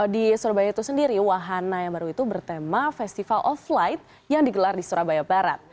di surabaya itu sendiri wahana yang baru itu bertema festival of flight yang digelar di surabaya barat